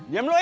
diam lu im